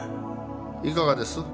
いかがです？